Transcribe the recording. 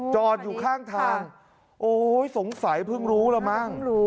จอดอยู่ข้างทางโอ้ยสงสัยเพิ่งรู้แล้วมั้ง